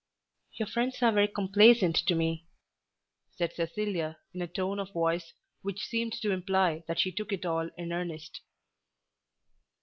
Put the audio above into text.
"Your friends are very complaisant to me," said Cecilia in a tone of voice which seemed to imply that she took it all in earnest.